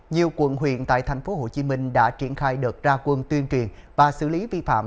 nhiều quận huyện tại tp hcm đã triển khai đợt ra quân tuyên truyền và xử lý vi phạm